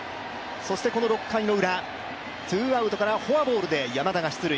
この６回のウラ、ツーアウトからフォアボールで山田が出塁。